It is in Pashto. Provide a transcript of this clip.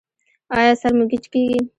ایا سر مو ګیچ کیږي؟